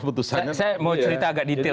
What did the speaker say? saya mau cerita agak detail